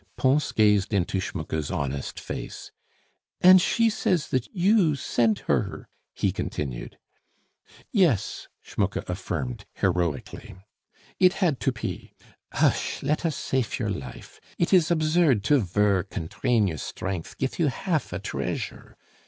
Pons gazed into Schmucke's honest face. "And she says that you sent her " he continued. "Yes," Schmucke affirmed heroically. "It had to pe. Hush! let us safe your life. It is absurd to vork and train your sdrength gif you haf a dreasure.